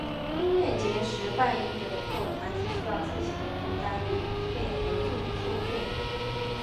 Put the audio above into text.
音乐节的表演者或团体需要自行负担旅费与住宿费用。